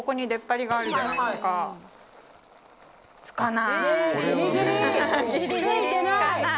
つかない。